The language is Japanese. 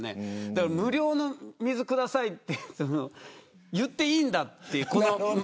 だから無料の水、下さいって言っていいんだっていう。